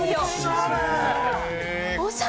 おしゃれ。